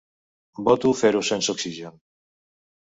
Voto fer-ho sense oxigen.